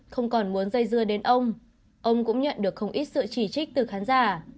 không còn muốn dây dưa đến ông ông cũng nhận được không ít sự chỉ trích từ khán giả